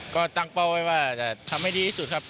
ก็ตั้งเป้าไว้ว่าจะทำให้ดีที่สุดครับ